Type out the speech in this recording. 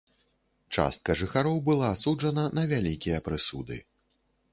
Частка жыхароў была асуджана на вялікія прысуды.